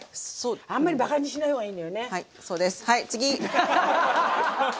あんまりバカにしない方がいいんだよね。